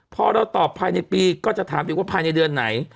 พอเราตอบภายในปีก็จะถามอีกว่าภายในเดือนไหน